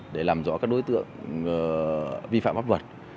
để làm rõ các đối tượng vi phạm pháp luật